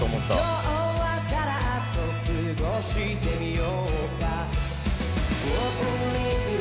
「今日はダラッと過ごしてみようか」